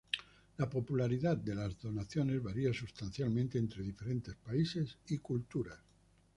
La popularidad de las donaciones varía sustancialmente entre diferentes países y culturas.